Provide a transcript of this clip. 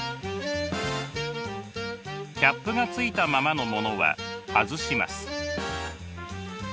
キャップがついたままのものは外します。